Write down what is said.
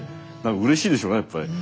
うれしいでしょうねやっぱり。